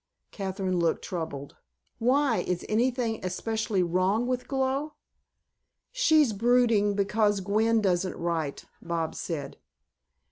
Kathryn looked troubled. "Why, is anything especially wrong with Glow?" "She's brooding because Gwen doesn't write," Bobs said.